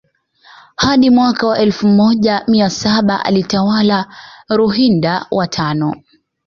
Hadi mwaka wa elfu moja na mia saba alitawala Ruhinda wa tano